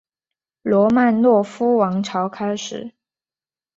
罗曼诺夫王朝开始。